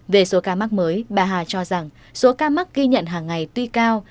về số ca mắc mới bà hà cho rằng số ca mắc ghi nhận hàng ngày tuy cao